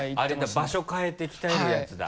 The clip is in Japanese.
場所変えて鍛えるやつだ